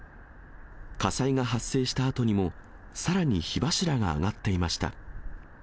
火災が発生したあとにも、さらに火柱が上がっていました。